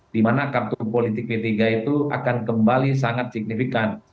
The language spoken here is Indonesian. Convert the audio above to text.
di mana kartu politik p tiga itu akan kembali sangat signifikan